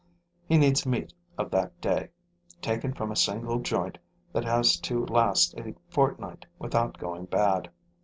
He needs meat of that day, taken from a single joint that has to last a fortnight without going bad.